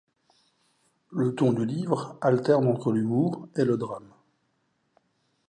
Le ton du livre alterne entre l'humour et le drame.